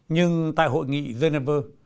nhưng tại hội nghị geneva